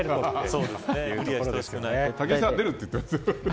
武井さんは出るって言ってますよ。